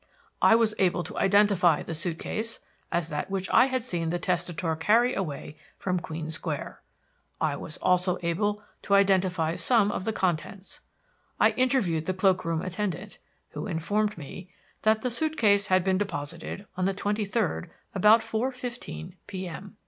I was able to identify the suit case as that which I had seen the testator carry away from Queen Square. I was also able to identify some of the contents. I interviewed the cloakroom attendant, who informed me that the suit case had been deposited on the twenty third about 4:15 p.m.